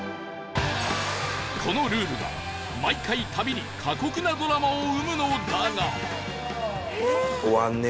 このルールが毎回旅に過酷なドラマを生むのだが